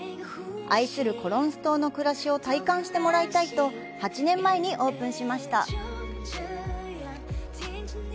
愛するコロンス島の暮らしを体感してもらいたいと、８年前にオープンしました。